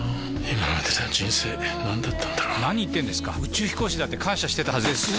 今までの人生なんだったんだろう何言ってんですか宇宙飛行士だって感謝してたはずです！